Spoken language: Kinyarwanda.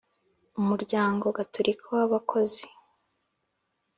Umuryango Gatolika w’Abakozi.